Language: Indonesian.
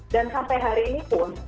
dan sampai hari ini pun